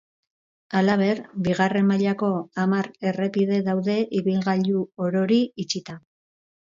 Halaber, bigarren mailako hamar errepide daude ibilgailu orori itxita.